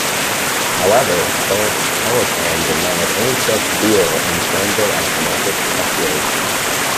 However, France Telecom denied any such deal and termed it as market speculation.